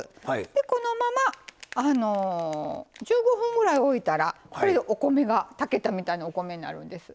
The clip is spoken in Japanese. このまま１５分ぐらい置いたらこれでお米が炊けたみたいなお米になるんです。